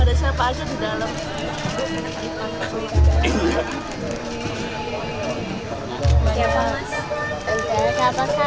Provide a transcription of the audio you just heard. ada siapa aja di dalam